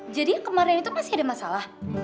jadi kemarin itu masih ada masalah